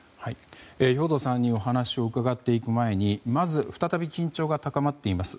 兵頭さんにお話を伺っていく前にまず、再び緊張が高まっています